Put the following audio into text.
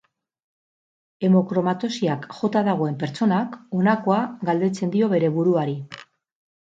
Hemokromatosiak jota dagoen pertsonak honakoa galdetzen dio bere buruari.